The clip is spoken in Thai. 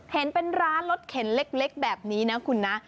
เห็นเป็นร้านรถเข็นเล็กแบบนี้นะคุณนะ